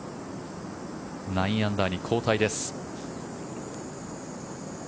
９アンダーに後退です。